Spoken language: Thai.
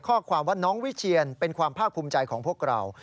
ข้อความว่าน้องวิเชียนเป็นความภาคภูมิใจของพวกเรา